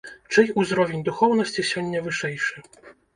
Чый узровень духоўнасці сёння вышэйшы?